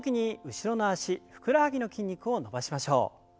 後ろの脚ふくらはぎの筋肉を伸ばします。